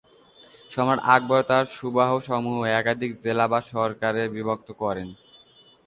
সম্রাট আকবর তাঁর সুবাহ সমূহ একাধিক জেলা বা সরকারে বিভক্ত করেন।